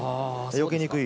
よけにくい。